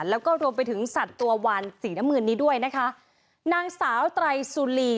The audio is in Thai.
แล้วก็รวมไปถึงสัตว์ตัววานสีน้ำเงินนี้ด้วยนะคะนางสาวไตรสุรี